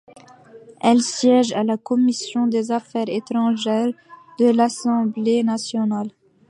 Elle siège à la commission des affaires étrangères de l'Assemblée nationale.